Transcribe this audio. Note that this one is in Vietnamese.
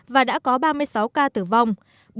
và đã có ba mươi sáu ca tử vong